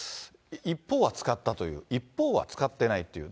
一方は使ったという、一方は使ってないっていう。